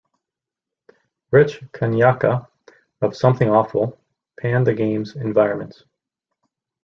Rich Kyanka of Something Awful panned the game's environments.